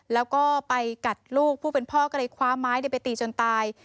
แล้วก็ไปกัดลูกผู้เป็นพ่อก็เลยคว้าไม้ไปตีจนตาย